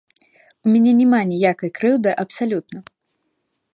У мяне няма ніякай крыўды абсалютна.